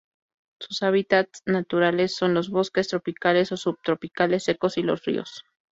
Sus hábitats naturales son los bosques tropicales o subtropicales secos y los ríos.